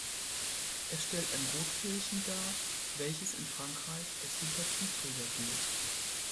Er stellt ein Rotkehlchen dar, welches in Frankreich als Sympathieträger gilt.